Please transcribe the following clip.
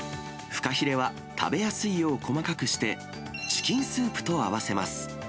フカヒレは食べやすいよう細かくして、チキンスープと合わせます。